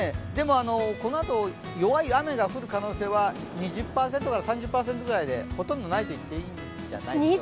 このあと弱い雨が降る可能性は２０％か３０％くらいでほとんどないと言っていいんじゃないでしょうかね。